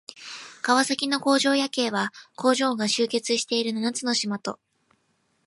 川崎の工場夜景は、工場が集積している七つの島とそれを取り囲む十六の運河の中で訪れる方々に様々な光景を見せてくれます。